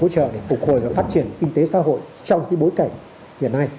hỗ trợ để phục hồi và phát triển kinh tế xã hội trong bối cảnh hiện nay